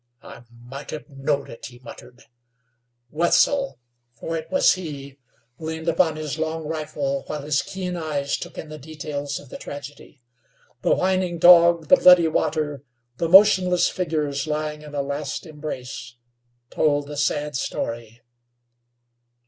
"I might hev knowed it," he muttered. Wetzel, for it was he, leaned upon his long rifle while his keen eyes took in the details of the tragedy. The whining dog, the bloody water, the motionless figures lying in a last embrace, told the sad story.